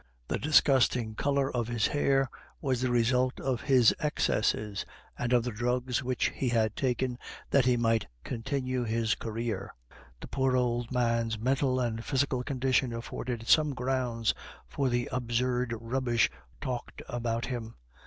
The disgusting color of his hair was a result of his excesses and of the drugs which he had taken that he might continue his career. The poor old man's mental and physical condition afforded some grounds for the absurd rubbish talked about him.